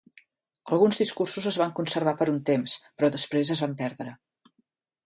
Alguns discursos es van conservar per un temps, però després es van perdre.